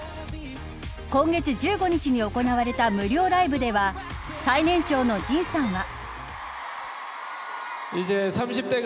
今月１５日に行われた無料ライブでは最年長のＪＩＮさんは。